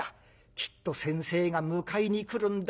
『きっと先生が迎えに来るんだ。